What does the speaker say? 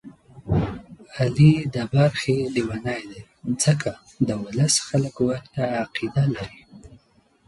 علي د برخې لېونی دی، ځکه د ولس خلک ورته عقیده لري.